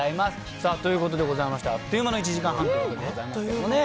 さあ、ということでございまして、あっという間の１時間半ということでございましたけれどもね。